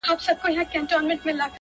په تندي کي مو لیکلي د سپرلیو جنازې دي -